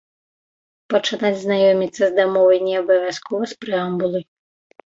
Пачынаць знаёміцца з дамовай не абавязкова з прэамбулы.